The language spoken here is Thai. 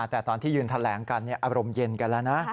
แต่ตอนที่ยืนแถลงกันอารมณ์เย็นกันแล้วนะ